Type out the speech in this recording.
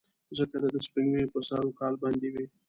ځکه دده سپېږمې به سر وکال بندې وې.